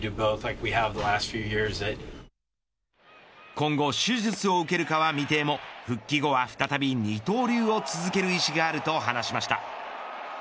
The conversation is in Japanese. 今後、手術を受けるかは未定も復帰後は再び二刀流を続ける意思があると話しました。